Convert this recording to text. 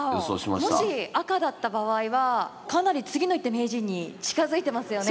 もし赤だった場合はかなり次の一手名人に近づいてますよね。